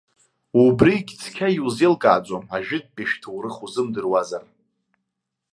Убригьы цқьа иузеилкааӡом ажәытәтәи шәҭоурых узымдыруазар.